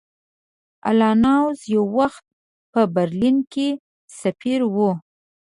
الله نواز یو وخت په برلین کې سفیر وو.